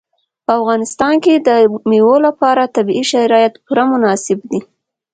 په افغانستان کې د مېوو لپاره طبیعي شرایط پوره مناسب دي.